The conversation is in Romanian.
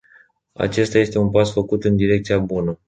Acesta este un pas făcut în direcția bună.